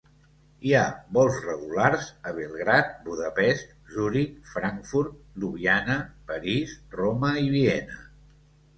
Hi ha vols regulars a Belgrad, Budapest, Zuric, Frankfurt, Ljubljana, París, Roma i Viena.